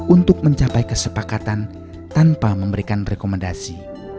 untuk mencapai kesepakatan tanpa memberikan rekomendasi